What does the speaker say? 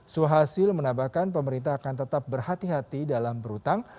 suhasil menambahkan pemerintah akan tetap berhati hati dalam berhutang